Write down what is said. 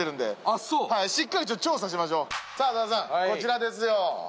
しっかりと調査しましょうさあさあさあこちらですよ